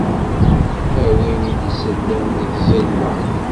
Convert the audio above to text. A win i d-isellen i tẓilla.